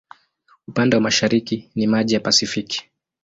Upande wa mashariki ni maji ya Pasifiki.